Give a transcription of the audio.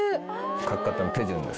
描き方の手順です